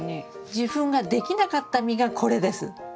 受粉ができなかった実がこれです。